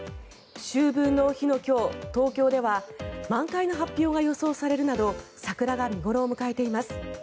春分の日の今日、東京では満開の発表が予想されるなど桜が見頃を迎えています。